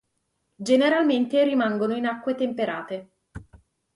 Generalmente rimangono in acque temperate.